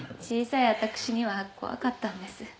小さいあたくしには怖かったんです。